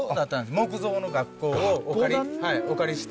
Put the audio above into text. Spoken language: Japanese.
木造の学校をお借りして。